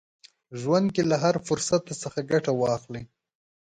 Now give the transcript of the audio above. ژوند کې له هر فرصت څخه ګټه واخلئ.